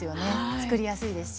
作りやすいですし。